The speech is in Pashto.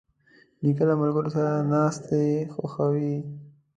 نیکه له ملګرو سره ناستې خوښوي.